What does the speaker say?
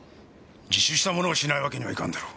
自首した者をしないわけにはいかんだろう？